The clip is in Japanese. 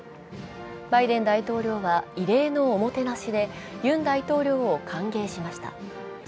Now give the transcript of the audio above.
バイデン大統領は異例のおもてなしで、ユン大統領を歓迎しました。